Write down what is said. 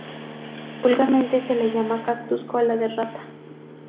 Vulgarmente se le llama cactus cola de rata.